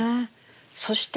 そして。